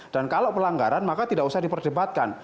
dan kalau pelanggaran maka tidak usah diperdebatkan